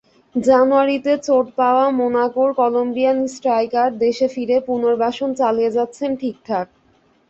জানুয়ারিতে চোট পাওয়া মোনাকোর কলম্বিয়ান স্ট্রাইকার দেশে ফিরে পুনর্বাসন চালিয়ে যাচ্ছেন ঠিকঠাক।